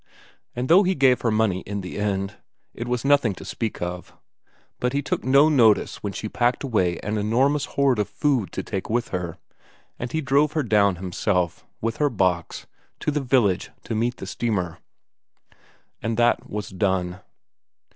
And though he gave her money in the end, it was nothing to speak of; but he took no notice when she packed away an enormous hoard of food to take with her, and he drove her down himself, with her box, to the village to meet the steamer. And that was done.